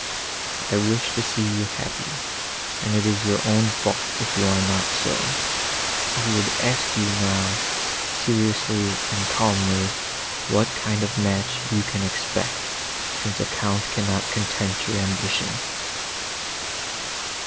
I wish to see you happy, and it is your own fault if you are not so. I would ask you, now, seriously and calmly, what kind of a match you can expect, since a Count cannot content your ambition?"